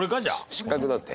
失格だって。